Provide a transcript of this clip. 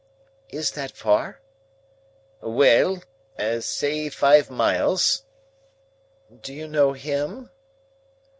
"Is that far?" "Well! Say five miles." "Do you know him?"